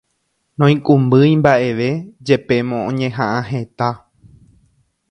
Noikũmbýi mbaʼeve jepémo oñehaʼã heta.